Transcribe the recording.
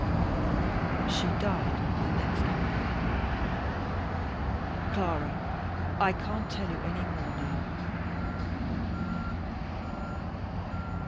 She died the next morning. Clara, I can't tell you any more now.